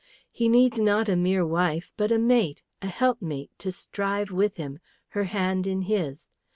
He needs not a mere wife, but a mate, a helpmate, to strive with him, her hand in his.